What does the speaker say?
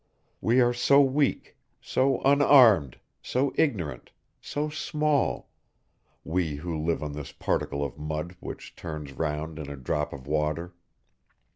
We are so weak, so unarmed, so ignorant, so small, we who live on this particle of mud which turns round in a drop of water.